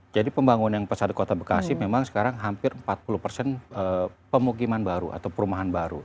jadi pembangunan yang pesat di kota bekasi memang sekarang hampir empat puluh persen pemukiman baru atau perumahan baru